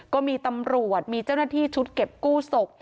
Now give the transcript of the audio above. ก็มีตำรวจมีเจ้าหน้าที่ชุดเก็บกู้ศพ